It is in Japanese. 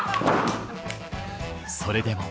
それでも。